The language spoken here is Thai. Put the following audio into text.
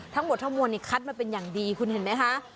ทั้งหมดทั้งมวลคัดมาเป็นอย่างดีคุณเห็นไหมคะ